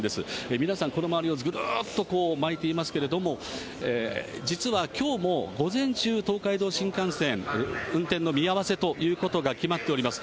皆さん、この周りをぐるーっと巻いていますけれども、実はきょうも午前中、東海道新幹線、運転の見合わせということが決まっております。